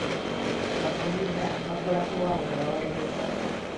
Ba puliida bakola ku lwabo be bawolereza.